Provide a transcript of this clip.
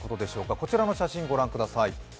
こちらの写真御覧ください。